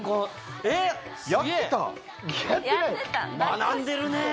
学んでるねぇ！